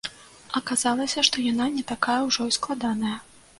Аказалася, што яна не такая ўжо і складаная.